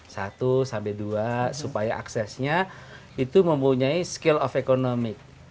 satu sampai dua supaya aksesnya itu mempunyai skill of economic